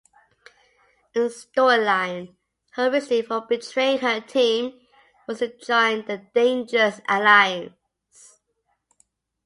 In storyline, her reasoning for betraying her team was to join the Dangerous Alliance.